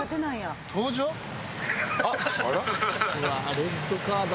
『レッドカーダ！』